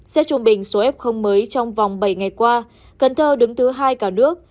xét trung bình số f mới trong vòng bảy ngày qua cần thơ đứng thứ hai cả nước